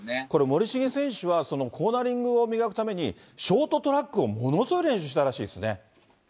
これ森重選手は、コーナリングを磨くために、ショートトラックをものすごい練習したらしいですね。